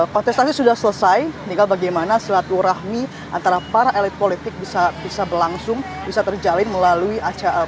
kontestasi sudah selesai tinggal bagaimana silaturahmi antara para elit politik bisa berlangsung bisa terjalin melalui acara